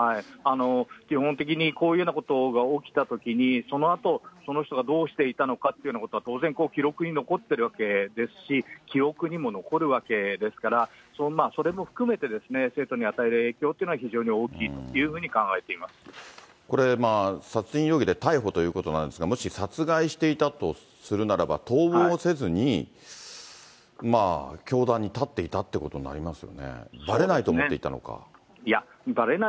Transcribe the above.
基本的にこういうようなことが起きたときに、そのあと、その人がどうしていたのかということは、当然、記録に残っているわけですし、記憶にも残るわけですから、それも含めてですね、生徒に与える影響っていうのは非常に大きいというふうに考えておこれ、殺人容疑で逮捕ということなんですが、もし殺害していたとするならば、逃亡せずに、まあ、教壇に立っていたっていうことになりますよね。